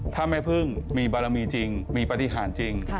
ถ้าแม่พึ่งมีบารมีจริงมีปฏิหารจริง